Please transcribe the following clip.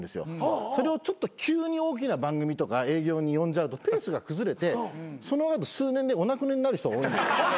それをちょっと急に大きな番組とか営業に呼んじゃうとペースが崩れてその後数年でお亡くなりになる人が多いんです。